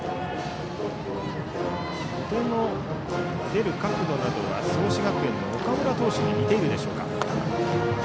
腕の出る角度などは創志学園の岡村投手に似ているでしょうか。